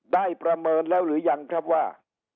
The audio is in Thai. ประเมินแล้วหรือยังครับว่า